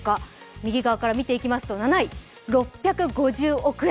右側から見ていきますと７位、６５０億円